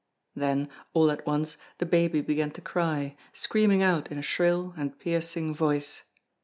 Then, all at once, the baby began to cry, screaming out in a shrill and piercing voice.